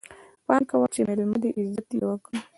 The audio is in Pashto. پام کوه چې ميلمه دی، عزت يې وکړه!